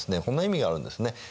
こんな意味があるんですね。